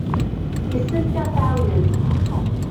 Yessefk ad aɣ-tɛawnem.